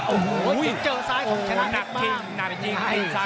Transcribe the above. โอ้โห้หนักทิ้ง